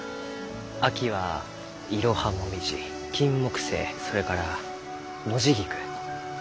秋はイロハモミジキンモクセイそれからノジギク。